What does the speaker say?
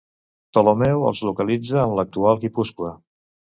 Ptolemeu els localitza en l'actual Guipúscoa.